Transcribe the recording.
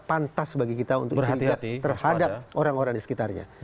pantas bagi kita untuk berikat terhadap orang orang di sekitarnya